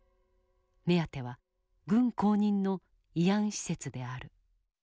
目当ては軍公認の慰安施設である。